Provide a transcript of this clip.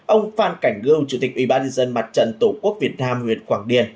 ông phan cảnh ngư chủ tịch ubnd dân mặt trận tổ quốc việt nam huyện quảng điền